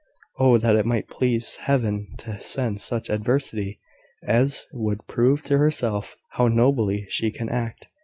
Oh, that it might please Heaven to send such adversity as would prove to herself how nobly she can act!